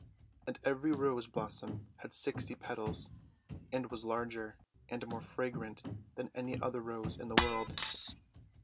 And every Rose blossom had sixty petals, and was larger and more fragrant than any other Rose in the world.